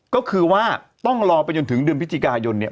ก็คือว่าต้องรอไปจนถึงเดือนพฤศจิกายนเนี่ย